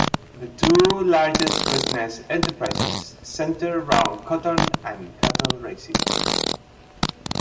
The two largest business enterprises centered around cotton and cattle-raising.